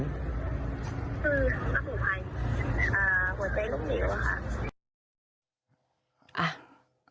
คือคำถามถูกภายหัวใจลุ้มเหลวค่ะ